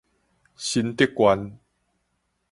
新竹縣